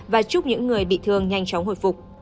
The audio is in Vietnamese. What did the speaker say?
và chúc những người bị thương nhanh chóng hồi phục